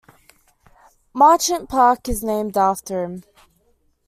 "Marchant Park" is named after him.